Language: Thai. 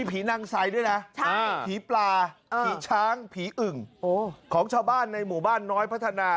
ผีช้างผีอึ่งของชาวบ้านในหมู่บ้านน้อยพัฒนา